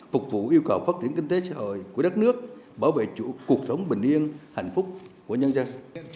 phục vụ yêu cầu phát triển kinh tế xã hội của đất nước bảo vệ chủ cuộc sống bình yên hạnh phúc của nhân dân